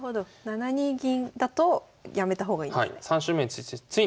７二銀だとやめた方がいいんですね。